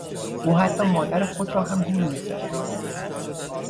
او حتی مادر خود را هم گول میزد.